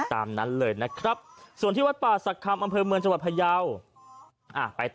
ตามนั้นเลยนะครับส่วนที่วัดป่าศักดิ์คำอำเภอเมืองจังหวัดพยาวไปต่อ